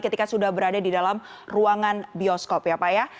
ketika sudah berada di dalam ruangan bioskop ya pak ya